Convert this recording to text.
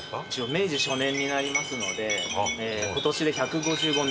明治初年になりますので今年で１５５年。